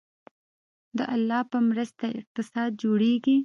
د الله په مرسته اقتصاد جوړیږي